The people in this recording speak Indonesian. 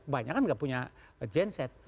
banyak kan nggak punya genset